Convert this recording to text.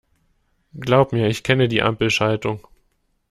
Glaub mir, ich kenne die Ampelschaltung.